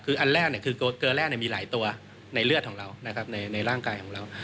คือเกลือแร่มีหลายตัวในเลือดของเราในร่างกายของเรา